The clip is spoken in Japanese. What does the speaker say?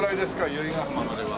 由比ガ浜までは。